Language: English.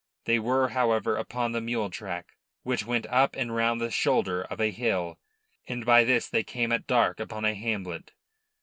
They were, however, upon the mule track, which went up and round the shoulder of a hill, and by this they came at dark upon a hamlet.